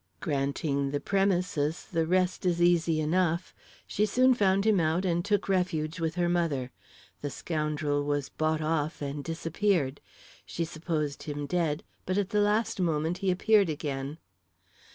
"Granting the premises, the rest is easy enough. She soon found him out and took refuge with her mother. The scoundrel was bought off and disappeared. She supposed him dead; but at the last moment, he appeared again."